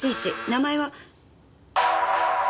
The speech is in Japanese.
名前は。